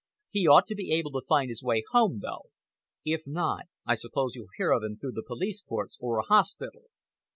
He ought to be able to find his way home, though. If not, I suppose you'll hear of him through the police courts or a hospital.